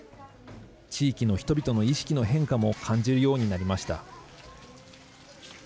地域の人々の意識の変化も感じるようになりました。